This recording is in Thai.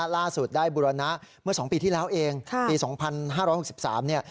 ล่าสุดได้บุรณะเมื่อ๒ปีที่แล้วเองปี๒๕๖๓เนี่ย